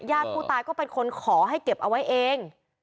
ผู้ตายก็เป็นคนขอให้เก็บเอาไว้เอง